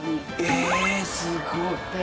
えすごい。